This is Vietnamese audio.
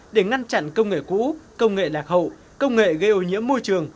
để ngăn chặn công nghệ cũ công nghệ lạc hậu công nghệ gây ô nhiễm môi trường